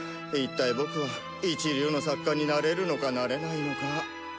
一体ボクは一流の作家になれるのかなれないのか。